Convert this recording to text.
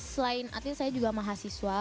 selain atlet saya juga mahasiswa